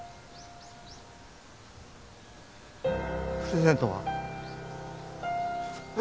プレゼントは？え？